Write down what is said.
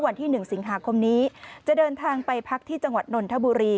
วันที่๑สิงหาคมนี้จะเดินทางไปพักที่จังหวัดนนทบุรี